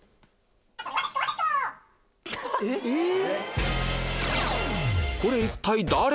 えっ？